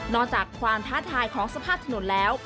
จากความท้าทายของสภาพถนนแล้ว